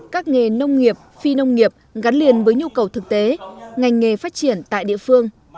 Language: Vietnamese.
các nghề nông nghiệp phi nông nghiệp gắn liền với nhu cầu thực tế ngành nghề phát triển tại địa phương